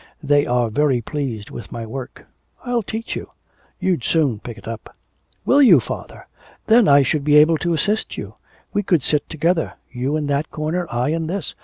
They are very pleased with my work.... I'll teach you you'd soon pick it up.' 'Will you, father? Then I should be able to assist you. We could sit together, you in that corner, I in this.